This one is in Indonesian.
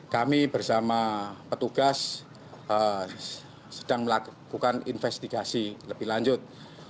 kami bersama petugas sedang melakukan investigasi lebih lanjut